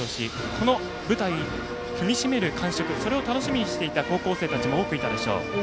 この舞台を踏みしめる感触を楽しみにしていた高校生たちも多くいたでしょう。